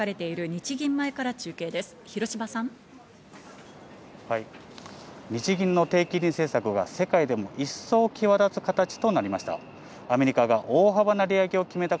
日銀の低金利政策が世界でも一層際立つ形となりました。